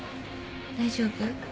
大丈夫？